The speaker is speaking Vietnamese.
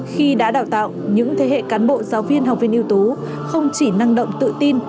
khi đã đào tạo những thế hệ cán bộ giáo viên học viên yếu tố không chỉ năng động tự tin